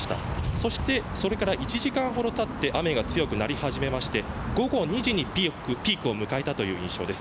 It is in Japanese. そしてそれから１時間ほどたって雨が強くなり始めまして午後２時にピークを迎えたという印象です。